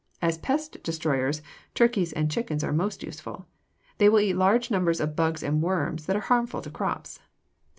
As pest destroyers turkeys and chickens are most useful. They eat large numbers of bugs and worms that are harmful to crops.